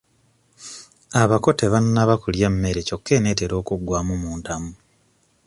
Abako tebannaba kulya ku mmere kyokka enaatera okuggwamu mu ntamu.